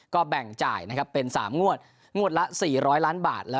ก็แบ่งจ่ายนะครับเป็น๓งวดงวดละ๔๐๐ล้านบาท